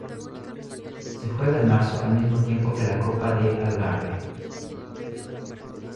Se juega en marzo, al mismo tiempo que la Copa de Algarve.